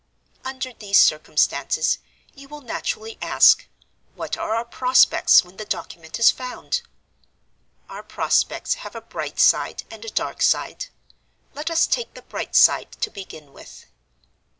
"Under these circumstances, you will naturally ask, 'What are our prospects when the document is found?' Our prospects have a bright side and a dark side. Let us take the bright side to begin with.